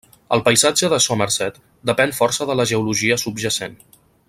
El paisatge de Somerset depèn força de la geologia subjacent.